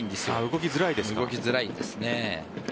動きづらいんです。